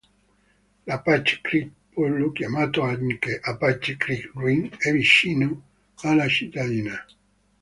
L'Apache Creek Pueblo, chiamato anche "Apache Creek Ruin", è vicino alla cittadina.